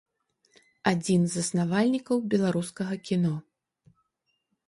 Адзін з заснавальнікаў беларускага кіно.